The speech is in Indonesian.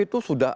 itu sudah ada